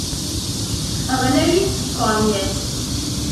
Ɣlayit tkeṛyas.